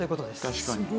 確かに。